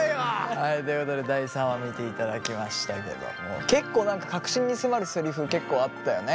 はいということで第３話見ていただきましたけども結構何か確信に迫るセリフ結構あったよね。